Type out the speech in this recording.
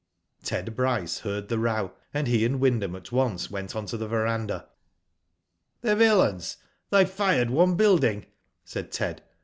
Ted Bryce heard the row, and he and Wyndham at once went on to the verandah. " The villains ; they've fired one building," said Ted.